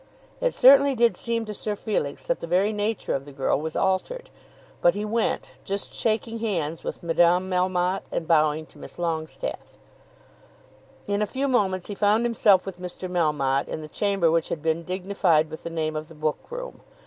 It certainly did seem to Sir Felix that the very nature of the girl was altered. But he went, just shaking hands with Madame Melmotte, and bowing to Miss Longestaffe. In a few moments he found himself with Mr. Melmotte in the chamber which had been dignified with the name of the book room.